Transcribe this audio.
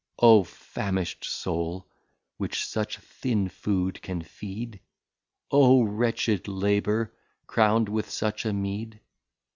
O famisht Soul, which such Thin Food can feed! O Wretched Labour crown'd with such a Meed!